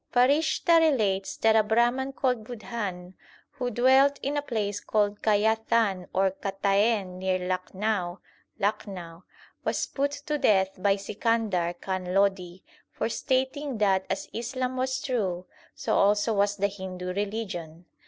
Farishta relates that a Brahman called Budhan, who dwelt in a place called Kayathan or Kataen near Lakhnau (Lucknow), was put to death by Sikandar Khan Lodi for stating that as Islam was true, so also was the Hindu religion.